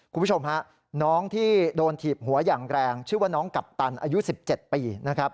คุณผู้ชมฮะน้องที่โดนถีบหัวอย่างแรงชื่อว่าน้องกัปตันอายุ๑๗ปีนะครับ